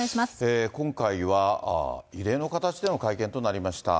今回は異例の形での会見となりました。